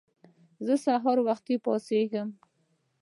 زه سهار له وخته پاڅيږم.